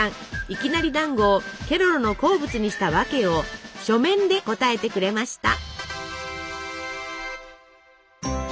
いきなりだんごをケロロの好物にした訳を書面で答えてくれました。